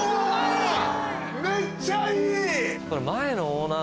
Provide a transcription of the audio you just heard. めっちゃいい！